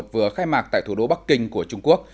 vừa khai mạc tại thủ đô bắc kinh của trung quốc